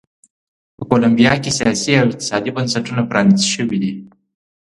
په کولمبیا کې سیاسي او اقتصادي بنسټونه پرانیست شوي دي.